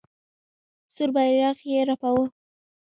سور بیرغ یې رپاوه.